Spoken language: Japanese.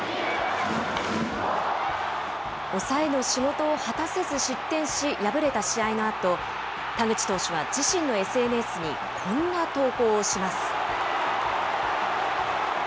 抑えの仕事を果たせず失点し、敗れた試合のあと、田口投手は自身のＳＮＳにこんな投稿をします。